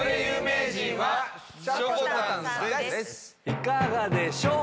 いかがでしょう？